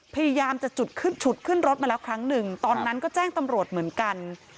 พยายามจะฉุดขึ้นรถมาแล้วครั้งหนึ่งตอนนั้นก็แจ้งตำรวจเหมือนกัน